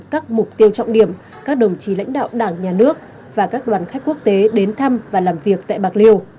các mục tiêu trọng điểm các đồng chí lãnh đạo đảng nhà nước và các đoàn khách quốc tế đến thăm và làm việc tại bạc liêu